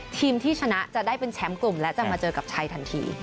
ทีมที่ชนะจะได้เป็นแชมป์กลุ่มและจะมาเจอกับชัยทันที